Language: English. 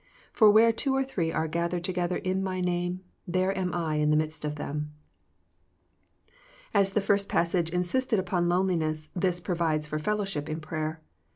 For where two or three are gathered together in My name, there am I in the midst of them." As the first passage insisted upon loneli ness, this provides for fellowship in prayer.